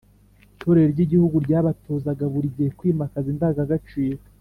itorero ry’igihugu, ryabatozaga buri gihe kwimakaza indangagaciro